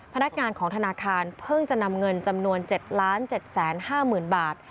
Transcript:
พนักงานของธนาคารเพิ่งจะนำเงินจำนวน๗๗๕๐๐๐บาท